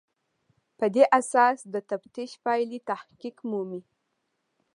په دې اساس د تفتیش پایلې تحقق مومي.